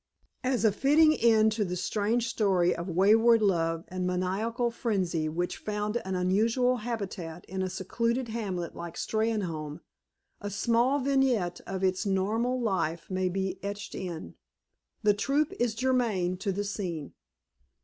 As a fitting end to the strange story of wayward love and maniacal frenzy which found an unusual habitat in a secluded hamlet like Steynholme, a small vignette of its normal life may be etched in. The trope is germane to the scene.